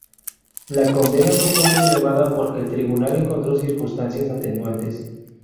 La condena no fue muy elevada porque el tribunal encontró circunstancias atenuantes.